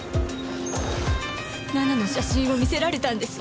奈々の写真を見せられたんです。